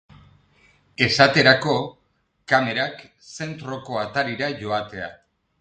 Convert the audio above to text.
Esaterako, kamerak zentroko atarira joatea.